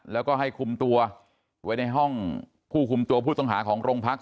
แล้วก็ให้คุมตัวไว้ในห้องผู้คุมตัวผู้ต้องหาของโรงพัก